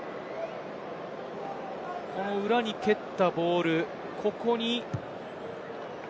裏に蹴ったボール、ここに。